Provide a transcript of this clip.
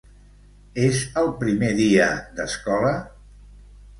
És el primer dia d'escola?